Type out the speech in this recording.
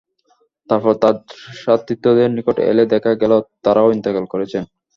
তারপর তার সাথীদ্বয়ের নিকট এলে দেখা গেল তারাও ইন্তেকাল করেছেন।